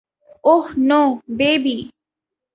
Oh no, baby!